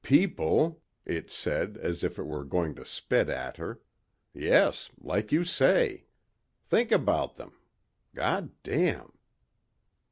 "People," it said as if it were going to spit at her. "Yes, like you say. Think about them! God damn...."